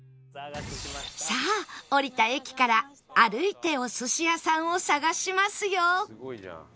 さあ降りた駅から歩いてお寿司屋さんを探しますよ